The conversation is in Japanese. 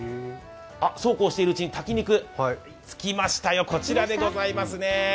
そうこうしているうちに炊き肉着きましたよ、こちらですね。